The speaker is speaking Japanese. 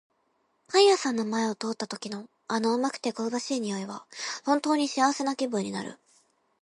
パン屋さんの前を通った時の、あの甘くて香ばしい匂いは本当に幸せな気分になる。